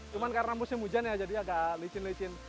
cuma karena musim hujan ya jadi agak licin licin